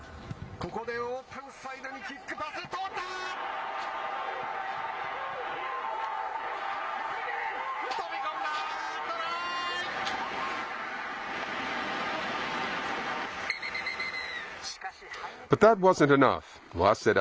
ここでオープンサイドにキックパス、通った！